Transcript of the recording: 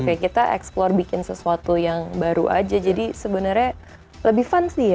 kayak kita explore bikin sesuatu yang baru aja jadi sebenarnya lebih fun sih ya